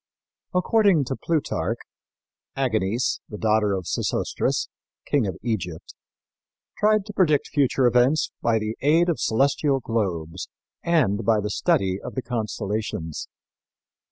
According to Plutarch, Aganice, the daughter of Sesostris, King of Egypt, tried to predict future events by the aid of celestial globes and by the study of the constellations.